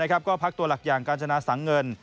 ก็พักตัวหลักอย่างกาญจนาสังเงิน